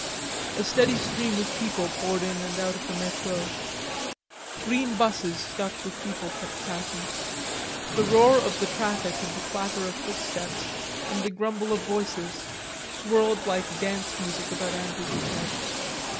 A steady stream of people poured in and out of the Metro. Green buses stuffed with people kept passing. The roar of the traffic and the clatter of footsteps and the grumble of voices swirled like dance music about Andrews's head.